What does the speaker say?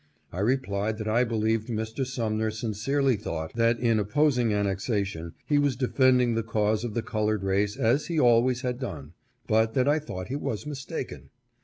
I re plied that I believed Mr. Sumner sincerely thought, that in opposing annexation, he was defending the cause of the colored race as he always had done, but that I thought he was mistaken.